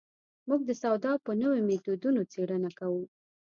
موږ د سودا په نویو مېتودونو څېړنه کوو.